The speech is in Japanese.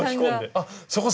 あっそこ